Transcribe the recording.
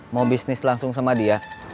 mau bisnis langsung sama dia